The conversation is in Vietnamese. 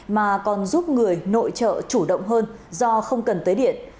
mà còn giúp người nội trợ chủ động hơn do không cần tới điện